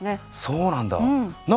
そうなんだ。